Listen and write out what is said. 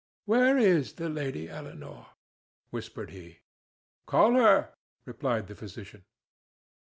"Where is the Lady Eleanore?" whispered he. "Call her," replied the physician.